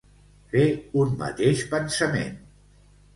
Fer un mateix pensament.